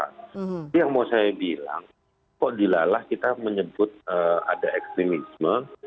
itu yang mau saya bilang kok dilalah kita menyebut ada ekstremisme